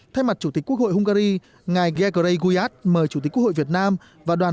thay mặt chủ tịch quốc hội hungary ngài gegre gujart mời chủ tịch quốc hội việt nam và đoàn